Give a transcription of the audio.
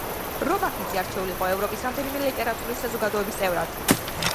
რობაქიძე არჩეული იყო ევროპის რამდენიმე ლიტერატურული საზოგადოების წევრად.